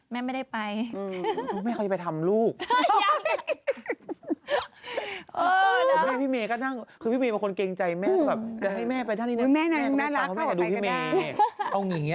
มาดูพี่เมย์เอาอย่างนี้